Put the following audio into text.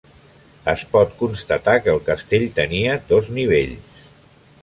Es pot constatar que el castell tenia dos nivells.